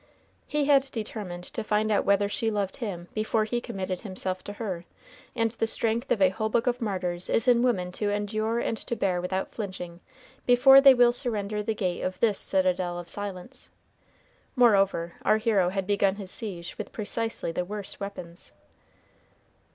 He had determined to find out whether she loved him before he committed himself to her; and the strength of a whole book of martyrs is in women to endure and to bear without flinching before they will surrender the gate of this citadel of silence. Moreover, our hero had begun his siege with precisely the worst weapons.